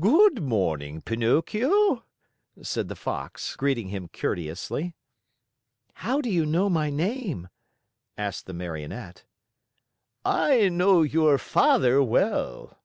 "Good morning, Pinocchio," said the Fox, greeting him courteously. "How do you know my name?" asked the Marionette. "I know your father well."